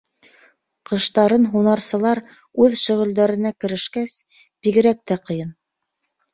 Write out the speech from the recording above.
Ҡыштарын һунарсылар үҙ шөғөлдәренә керешкәс, бигерәк тә ҡыйын.